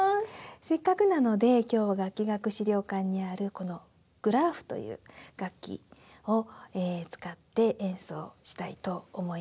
せっかくなので今日は楽器学資料館にあるこのグラーフという楽器を使って演奏したいと思います。